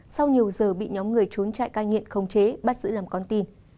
sau nhiều giờ bị nhóm người trốn trại cai nghiện không chế bắt giữ làm con tin